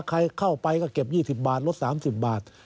ใครเข้าไปก็เก็บ๒๐บาทลด๓๐บาท